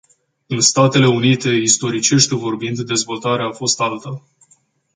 În Statele Unite, istoricește vorbind, dezvoltarea a fost alta.